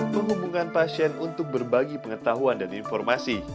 menghubungkan pasien untuk berbagi pengetahuan dan informasi